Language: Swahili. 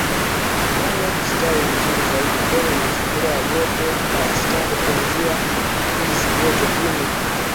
Nyanya hustawi vizuri zaidi kwenye mazingira ya joto la wastani kuanzia nyuzi joto kumi